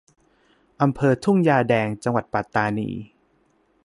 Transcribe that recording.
อำเภอทุ่งยางแดง จังหวัดปัตตานี